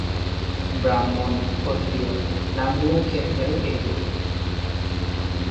ব্রাহ্মণ, ক্ষত্রিয় নামগুলির ক্ষেত্রেও এইরূপ।